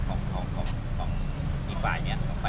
ไม่ใช่นี่คือบ้านของคนที่เคยดื่มอยู่หรือเปล่า